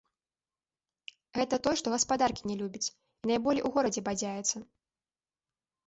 Гэта той, што гаспадаркі не любіць і найболей у горадзе бадзяецца.